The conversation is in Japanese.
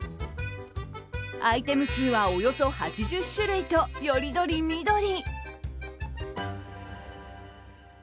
アイテム数はおよそ８０種類とより取り見取り。